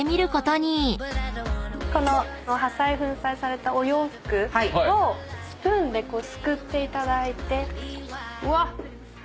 この破砕・粉砕されたお洋服をスプーンですくっていただいて。